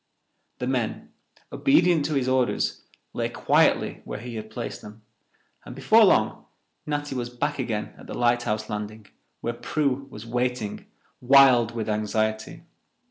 The men, obedient to his orders, lay quietly where he had placed them, and before long Natty was back again at the lighthouse landing, where Prue was waiting, wild with anxiety.